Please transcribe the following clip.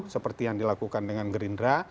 seperti yang dilakukan dengan gerindra